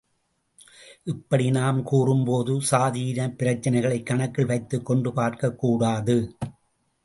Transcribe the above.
இப்படி நாம் கூறும்போது சாதி இனப்பிரச்னைகளைக் கணக்கில் வைத்துக் கொண்டு பார்க்கக்கூடாது.